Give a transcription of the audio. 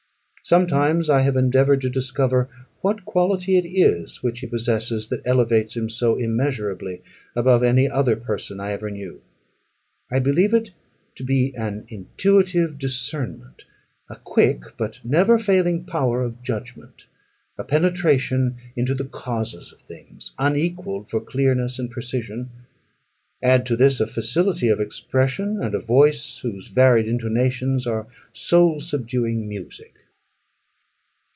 Sometimes I have endeavoured to discover what quality it is which he possesses, that elevates him so immeasurably above any other person I ever knew. I believe it to be an intuitive discernment; a quick but never failing power of judgment; a penetration into the causes of things, unequalled for clearness and precision; add to this a facility of expression, and a voice whose varied intonations are soul subduing music.